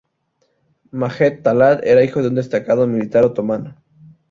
Mehmet Talat era hijo de un destacado militar otomano.